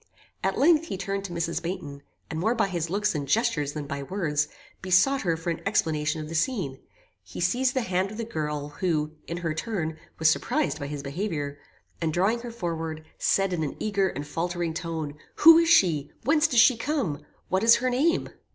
At length he turned to Mrs. Baynton, and more by his looks and gestures than by words, besought her for an explanation of the scene. He seized the hand of the girl, who, in her turn, was surprised by his behaviour, and drawing her forward, said in an eager and faultering tone, Who is she? whence does she come? what is her name?